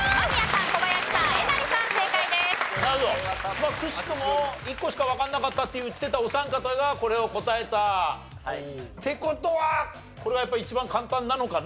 まあくしくも１個しかわからなかったって言ってたお三方がこれを答えたって事はこれはやっぱり一番簡単なのかな？